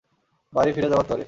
বাড়ি ফিরে যাবার তরে।